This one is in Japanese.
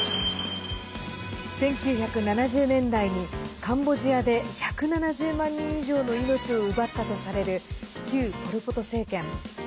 １９７０年代にカンボジアで１７０万人以上の命を奪ったとされる旧ポル・ポト政権。